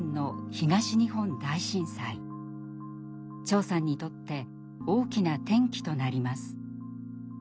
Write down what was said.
長さんにとって大きな転機となります。